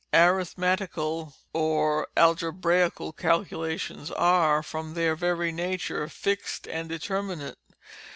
Arithmetical or algebraical calculations are, from their very nature, fixed and determinate.